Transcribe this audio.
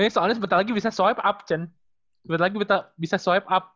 soalnya sebentar lagi bisa swipe up cen sebentar lagi bisa swipe up